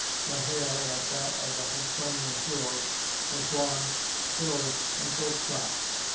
The hair, like that of the Hudsonian Heroes, was blond, curly and close cropped.